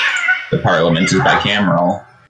The Parliament is bicameral.